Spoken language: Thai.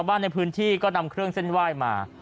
บ้านในพื้นที่ก็นำเครื่องเส้นไหว้มา